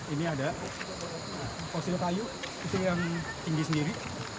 ini ada fosil kayu itu yang tinggi sendiri